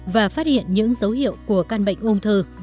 và phát hiện những dấu hiệu của căn bệnh ung thư